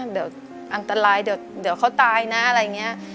เดี๋ยวอันตรายเดี๋ยวเขาตายนะอะไรอย่างนี้